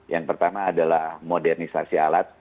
yang pertama adalah modernisasi alat